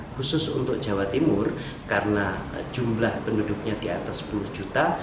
khusus untuk jawa timur karena jumlah penduduknya di atas sepuluh juta